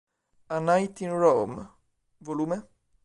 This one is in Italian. A Night in Rome, Vol.